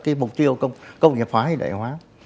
cái mục tiêu công nghiệp hóa hay đại hóa